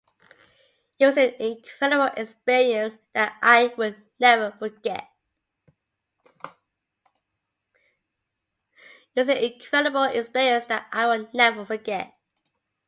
It was an incredible experience that I will never forget.